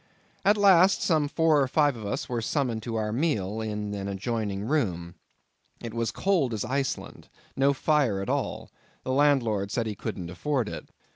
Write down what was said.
At last some four or five of us were summoned to our meal in an adjoining room. It was cold as Iceland—no fire at all—the landlord said he couldn't afford it.